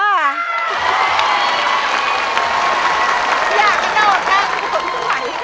อย่ากระโดดแทนยังไงค่ะ